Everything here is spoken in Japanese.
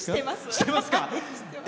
してます。